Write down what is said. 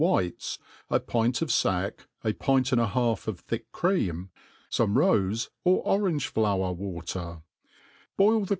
whites, a pint of fack, a pint and a half of thick cream, fome rofe or orange> flower water ; boil the.